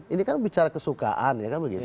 ini kan bicara kesukaan